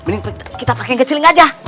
mending kita pakai ngecilin aja